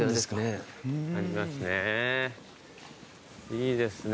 いいですね。